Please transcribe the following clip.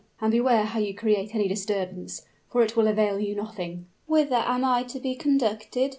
"And beware how you create any disturbance for it will avail you nothing." "Whither am I to be conducted?"